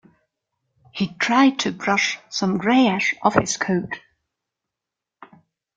He tried to brush some grey ash off his coat.